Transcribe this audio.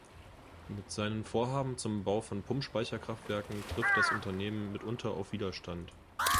Mit seinen Vorhaben zum Bau von Pumpspeicherkraftwerken trifft das Unternehmen mitunter auf Widerstand.